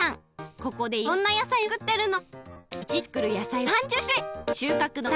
ここでいろんなやさいを作ってるの。